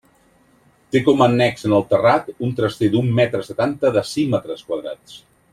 Té com a annex en el terrat un traster d'un metre setanta decímetres quadrats.